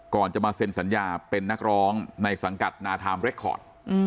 ก่อนจะมาเซ็นสัญญาเป็นนักร้องในสังกัดนาไทม์เรคคอร์ด